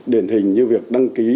điển hình như việc đăng ký